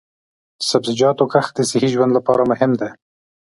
د سبزیجاتو کښت د صحي ژوند لپاره مهم دی.